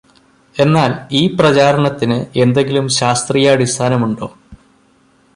എന്നാല് ഈ പ്രചാരണത്തിന് എന്തെങ്കിലും ശാസ്ത്രീയാടിസ്ഥാനമുണ്ടോ?